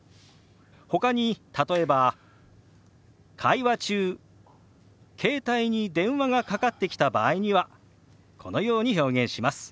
ほかに例えば会話中携帯に電話がかかってきた場合にはこのように表現します。